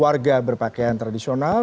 warga berpakaian tradisional